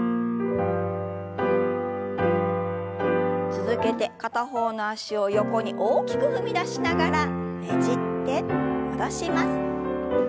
続けて片方の脚を横に大きく踏み出しながらねじって戻します。